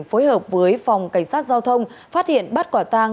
phối hợp với phòng cảnh sát giao thông phát hiện bắt quả tang